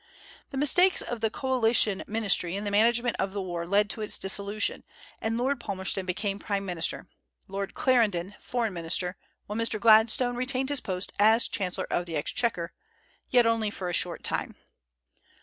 The mistakes of the coalition ministry in the management of the war led to its dissolution, and Lord Palmerston became prime minister, Lord Clarendon foreign minister, while Mr. Gladstone retained his post as chancellor of the exchequer, yet only for a short time.